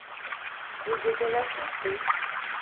Bu gece nasılsın?